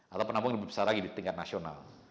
atau penampung lebih besar lagi di tingkat nasional